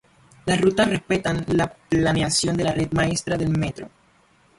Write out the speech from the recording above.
Las rutas respetan la planeación de la red maestra del Metro.